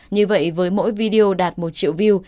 như vậy với mỗi video đạt một triệu view